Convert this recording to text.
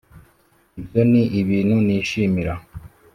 Ibyo ni ibintu nishimira